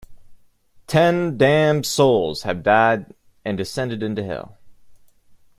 Ten damned souls have died and descended into Hell.